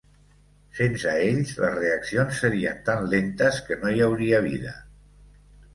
Sense ells les reaccions serien tan lentes que no hi hauria vida.